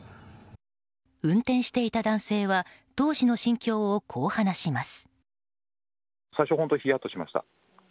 運転していた男性は当時の心境をこう話します。